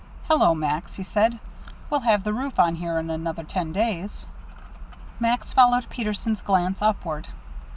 "Hello, Max," he said. "We'll have the roof on here in another ten days." Max followed Peterson's glance upward.